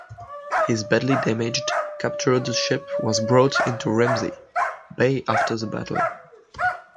His badly damaged, captured ship was brought into Ramsey Bay after the battle.